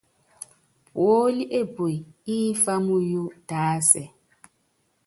Puólí epue ḿfá muyu tásɛ.